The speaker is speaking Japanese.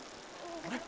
あれ？